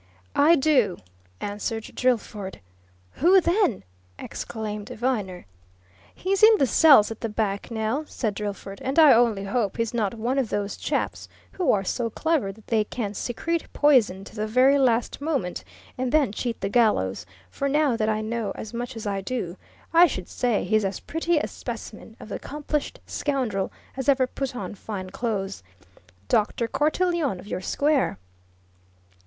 "I do!" answered Drillford. "Who, then?" exclaimed Viner. "He's in the cells at the back, now," said Drillford, "and I only hope he's not one of those chaps who are so clever that they can secrete poison to the very last moment and then cheat the gallows, for now that I know as much as I do, I should say he's as pretty a specimen of the accomplished scoundrel as ever put on fine clothes. Dr. Cortelyon, of your square!"